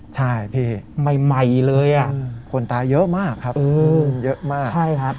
ใช่พี่ใหม่เลยอ่ะคนตายเยอะมากครับเยอะมากใช่ครับ